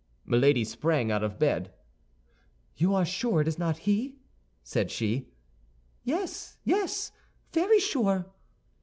Milady sprang out of bed. "You are sure it is not he?" said she. "Yes, yes, very sure!"